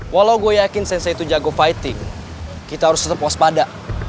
walau gue yakin sensai itu jago fighting kita harus tetap waspada